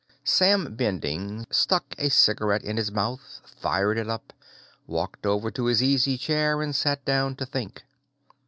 Sam Bending stuck a cigarette in his mouth, fired it up, walked over to his easy chair and sat down to think.